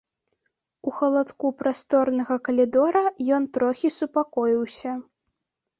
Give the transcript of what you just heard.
У халадку прасторнага калідора ён трохі супакоіўся.